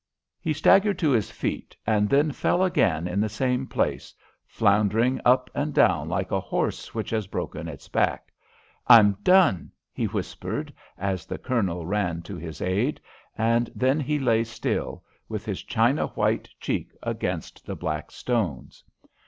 He staggered to his feet, and then fell again in the same place, floundering up and down like a horse which has broken its back. "I'm done!" he whispered, as the Colonel ran to his aid, and then he lay still, with his china white cheek against the black stones.